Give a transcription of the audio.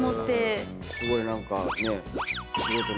すごい何かね。